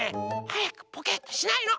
はやくポケッとしないの！